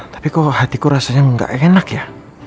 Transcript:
tapi kok hatiku rasanya nggak enak ya